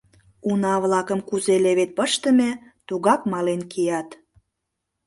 Уна-влакым кузе левед пыштыме, тугак мален кият.